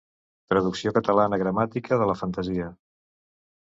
Traducció catalana Gramàtica de la fantasia.